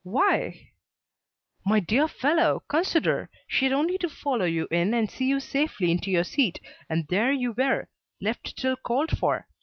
"Why?" "My dear fellow! consider. She had only to follow you in and see you safely into your seat and there you were, left till called for.